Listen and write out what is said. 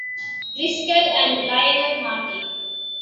Driskell, and Lionel Martin.